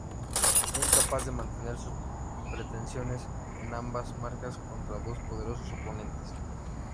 Fue incapaz de mantener sus pretensiones en ambas marcas contra dos poderosos oponentes.